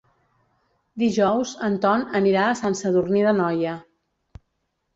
Dijous en Ton anirà a Sant Sadurní d'Anoia.